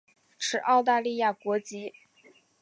持澳大利亚国籍。